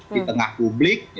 di tengah publik